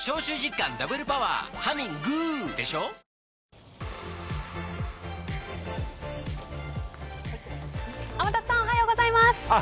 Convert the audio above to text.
わかるぞ天達さんおはようございます。